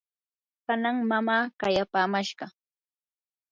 kanan mamaa qayapamashqa